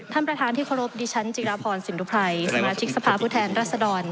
ท่านประธานที่เคารพดิฉันจิราพรสินทุภัยสมาชิกสภาพผู้แทนรัศดร